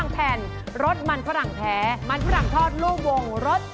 ขนมจากโลเวอร์โคสเตอร์ทั้ง๓แบบนี้แบบไหนราคาถูกที่สุดคะคุณจตุรงค์ทนบุญ